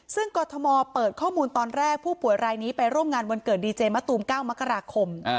ซึ่งกรทมเปิดข้อมูลตอนแรกผู้ป่วยรายนี้ไปร่วมงานวันเกิดดีเจมะตูม๙มกราคม